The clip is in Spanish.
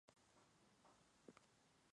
Sebastian Brandt sustituyó a Cosmic Gate.